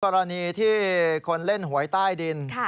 กรณีที่คนเล่นหวยใต้ดิน